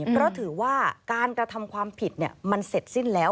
เพราะถือว่าการกระทำความผิดมันเสร็จสิ้นแล้ว